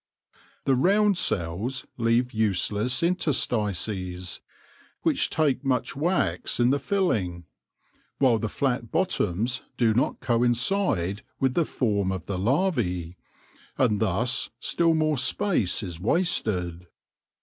The round cells leave useless interstices, which take much wax in the filling ; while the flat bottoms do not coincide with the form of the larvae, and thus still more space is wasted.